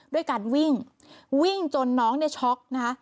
ด้วยการวิ่งวิ่งจนน้องเนี่ยช็อกนะคะ